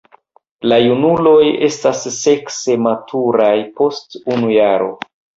La junuloj estas sekse maturaj post unu jaro.